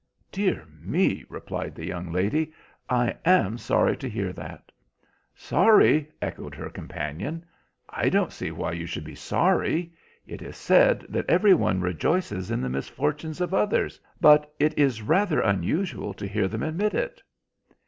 "Dear me," replied the young lady, "I am sorry to hear that." "Sorry!" echoed her companion; "I don't see why you should be sorry. It is said that every one rejoices in the misfortunes of others, but it is rather unusual to hear them admit it."